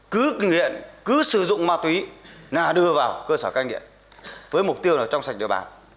cứ nghiện cứ sử dụng ma túy là đưa vào cơ sở cai nghiện với mục tiêu là trong sạch địa bàn